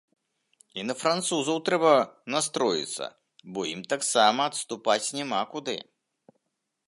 І на французаў трэба настроіцца, бо ім таксама адступаць няма куды.